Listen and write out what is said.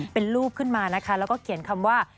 เป็นรูปขึ้นมานะคะแล้วก็เขียนคำว่า